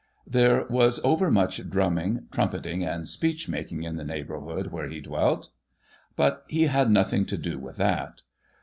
There was over much drumming, trumpeting, and speech making, in the neighbourhood where he dwelt ; but he had nothing to do with that.